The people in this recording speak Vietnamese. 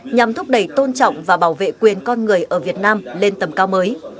nhằm thúc đẩy tôn trọng và bảo vệ quyền con người ở việt nam lên tầm cao mới